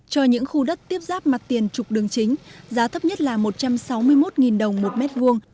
cho những khu đất tiếp giáp mặt tiền trục đường chính giá thấp nhất là một trăm sáu mươi một đồng một mét vuông